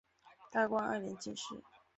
大观二年进士。